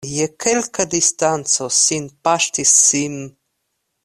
Je kelka distanco sin paŝtis Sim.